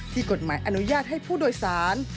กฎหมายอนุญาตให้ผู้โดยสาร